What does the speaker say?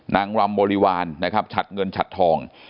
นางรำบริวารนะครับฉัดเงินฉัดทอง